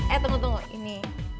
ehh tunggu tunggu ini